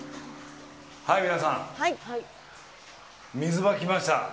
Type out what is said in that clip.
はい、皆さん水場、来ました。